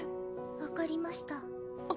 わかりました。